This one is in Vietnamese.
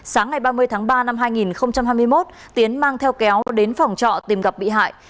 sáng ngày ba mươi tháng ba năm hai nghìn hai mươi một tiến mang theo kéo đến phòng trọ tìm gặp bị hại